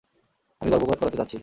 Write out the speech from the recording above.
আমি গর্ভপাত করাতে চাচ্ছি!